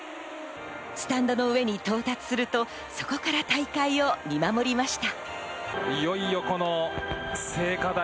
スタンドの上に到達すると、そこから大会を見守りました。